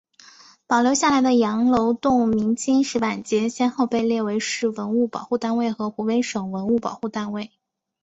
保留下来的羊楼洞明清石板街先后被列为市文物保护单位和湖北省文物保护单位。